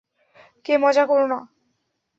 কে, মজা করো না।